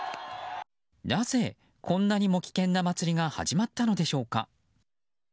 なぜ、こんなにも危険な祭りが始まったのでしょうか。